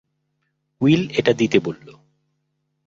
Will এটা দিতে বলল।